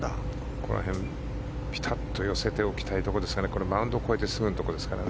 ここら辺、ピタッと寄せておきたいところですがこれ、マウンドを越えてすぐのところですからね。